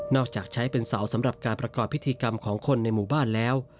จากใช้เป็นเสาสำหรับการประกอบพิธีกรรมของคนในหมู่บ้านแล้ว